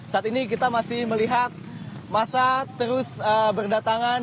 saat ini kita masih melihat masa terus berdatangan